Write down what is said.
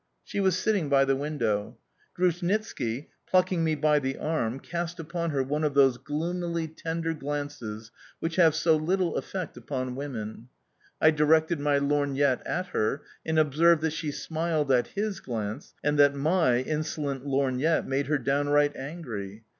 She was sitting by the window. Grushnitski, plucking me by the arm, cast upon her one of those gloomily tender glances which have so little effect upon women. I directed my lorgnette at her, and observed that she smiled at his glance and that my insolent lorgnette made her downright angry.